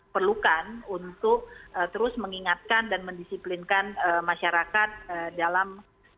perlukan untuk terus mengingatkan dan mendisiplinkan masyarakat dalam